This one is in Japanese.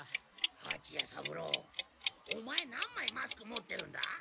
はちや三郎オマエ何枚マスク持ってるんだ？